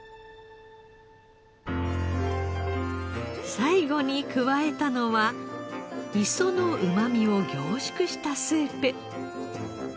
最後に加えたのは磯のうまみを凝縮したスープ。